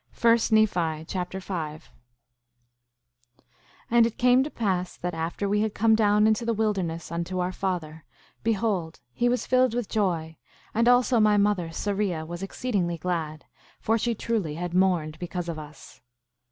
1 Nephi Chapter 5 5:1 And it came to pass that after we had come down into the wilderness unto our father, behold, he was filled with joy, and also my mother, Sariah, was exceedingly glad, for she truly had mourned because of us.